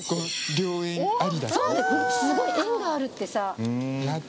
すごい！縁があるってさ！